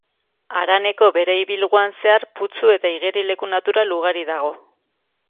Haraneko bere ibilguan zehar putzu eta igerileku natural ugari dago.